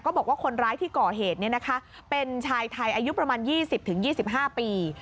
บอกว่าคนร้ายที่ก่อเหตุเป็นชายไทยอายุประมาณ๒๐๒๕ปี